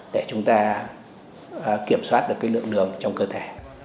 để chúng ta kiểm soát được cái lượng đường trong cơ thể